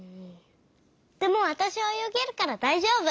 でもわたしおよげるからだいじょうぶ！